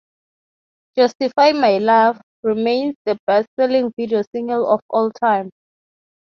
"Justify My Love" remains the best-selling video single of all time.